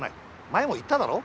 前も言っただろ？